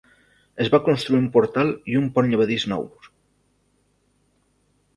Es va construir un portal i un pont llevadís nous.